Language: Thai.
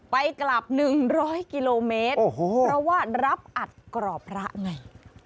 ไปกลับ๑๐๐กิโลเมตรเพราะว่ารับอัดกรอบพระไง